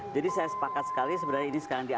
jadi saya sepakat sekali sebenarnya ini sekarang